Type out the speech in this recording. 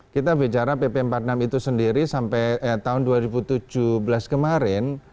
kita bicara pp empat puluh enam itu sendiri sampai tahun dua ribu tujuh belas kemarin